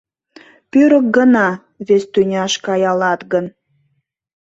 Пӧрык гына вес тӱняш каялат гын